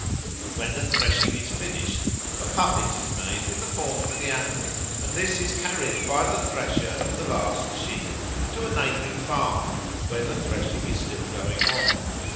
When the threshing is finished, a puppet is made in the form of the animal, and this is carried by the thresher of the last sheaf to a neighbouring farm, where the threshing is still going on.